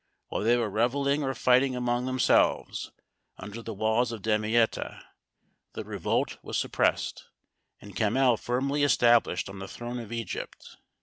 While they were revelling or fighting among themselves, under the walls of Damietta, the revolt was suppressed, and Camhel firmly established on the throne of Egypt.